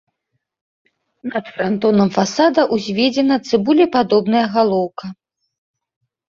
Над франтонам фасада ўзведзена цыбулепадобная галоўка.